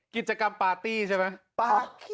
กิจกรรมปาร์ตี้ใช่ไหม